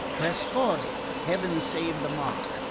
Trescorre, heaven save the mark!